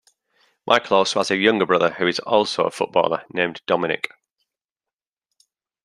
Michael also has a younger brother who is also a footballer named Dominic.